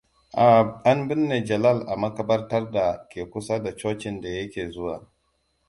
An binne Jalal a maƙabartar da ke kusa da cocin da ya ke zuwa.